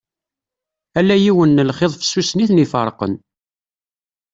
Ala yiwen n lxiḍ fessusen i ten-iferqen.